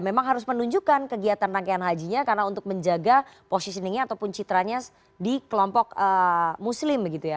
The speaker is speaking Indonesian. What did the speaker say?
memang harus menunjukkan kegiatan rangkaian hajinya karena untuk menjaga positioningnya ataupun citranya di kelompok muslim begitu ya